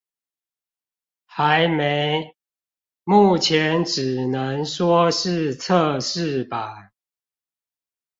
還沒，目前只能說是測試版